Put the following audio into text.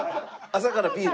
朝からビール？